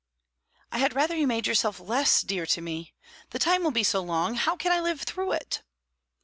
"I had rather you made yourself less dear to me. The time will be so long. How can I live through it?"